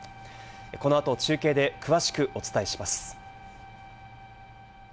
この後、中継で詳しくお伝えします。